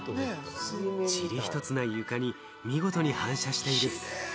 チリひとつない床に見事に反射している。